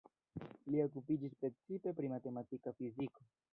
Li okupiĝis precipe pri matematika fiziko.